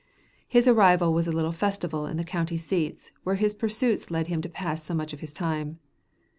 His arrival was a little festival in the county seats where his pursuits led him to pass so much of his time.